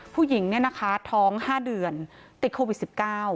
ผู้หญิงท้องห้าเดือนติดโควิด๑๙